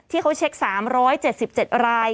ที่เขาเช็ค๓๗๗ราย